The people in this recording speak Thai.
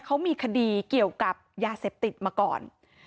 เขามีคดีเกี่ยวกับยาเสพติดมาก่อน